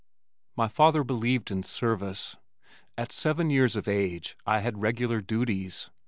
My father believed in service. At seven years of age, I had regular duties.